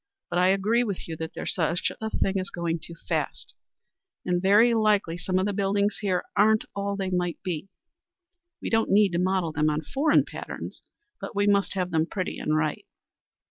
But I agree with you that there's such a thing as going too fast, and very likely some of the buildings here aren't all they might be. We don't need to model them on foreign patterns, but we must have them pretty and right."